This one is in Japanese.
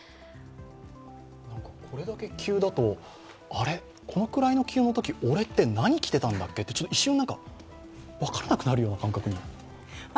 これだけ急だと、あれっ、このくらいの気温のとき俺って何着てたんだっけと、一瞬、分からなくなるような感覚になる。